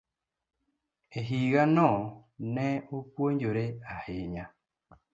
E higano, ne opuonjore ahinya.